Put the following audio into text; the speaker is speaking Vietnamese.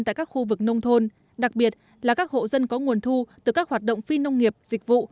tại các khu vực nông thôn đặc biệt là các hộ dân có nguồn thu từ các hoạt động phi nông nghiệp dịch vụ